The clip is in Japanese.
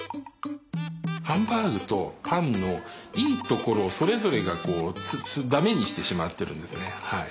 ハンバーグとパンのいいところをそれぞれがダメにしてしまってるんですね。